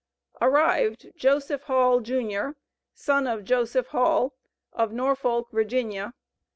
"Arrived JOSEPH HALL, JR., son of Joseph Hall, of Norfolk, Virginia."